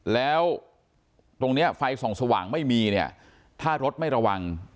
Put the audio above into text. แล้วตรงนี้ไฟส่องสว่างไม่มีเนี่ยถ้ารถไม่ระวัง